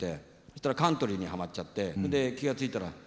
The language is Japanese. したらカントリーにはまっちゃってそんで気が付いたらあの